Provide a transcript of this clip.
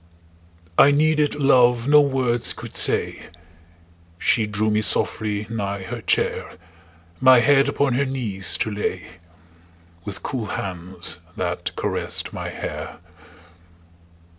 I needed love no words could say; She drew me softly nigh her chair, My head upon her knees to lay, With cool hands that caressed my hair.